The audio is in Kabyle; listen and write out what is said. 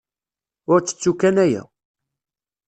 Ur ttettu kan aya.